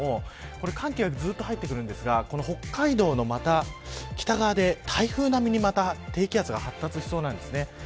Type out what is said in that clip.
寒気がずっと入ってくるんですが北海道のまた北側で台風並みに低気圧が発達しそうなんです。